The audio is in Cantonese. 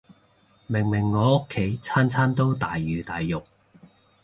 明明我屋企餐餐都大魚大肉